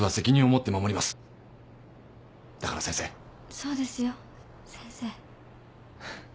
そうですよ先生。